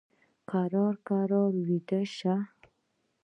کرار ارام ویده شه !